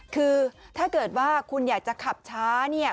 คือถ้าเกิดว่าคุณอยากจะขับช้าเนี่ย